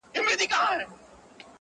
دا ستا د حسن د اختر پر تندي”